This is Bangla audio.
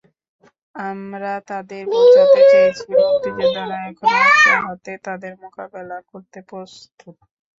আমরা তাদের বোঝাতে চেয়েছি, মুক্তিযোদ্ধারা এখনো অস্ত্র হাতে তাদের মোকাবিলা করতে প্রস্তুত।